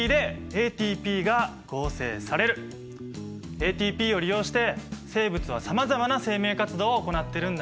ＡＴＰを利用して生物はさまざまな生命活動を行ってるんだな。